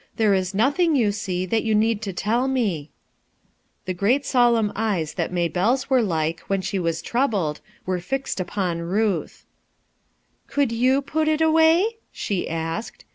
^rc is nothing, you sec, that you need to foil nic.' , 11 i The great solemn eyes that Maybcllc s were wheD she was troubled were fixed upon "Could you put it away?" she asked.